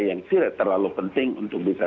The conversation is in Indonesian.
yang tidak terlalu penting untuk bisa